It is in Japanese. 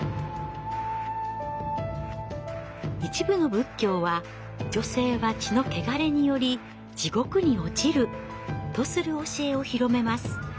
一部の仏教は「女性は血の穢れにより地獄に落ちる」とする教えを広めます。